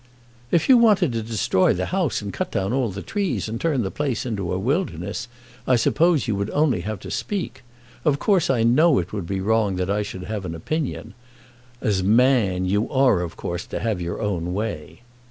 "If you wanted to destroy the house, and cut down all the trees, and turn the place into a wilderness, I suppose you would only have to speak. Of course I know it would be wrong that I should have an opinion. As 'man' you are of course to have your own way."